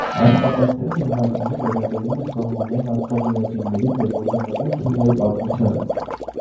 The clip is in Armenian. Աշխատանքները հիմնականում վերաբերում են սահմանային ածխաջրածիններին և օրգանական քիմիայի պատմությանը։